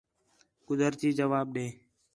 قدرتی جواب ݙے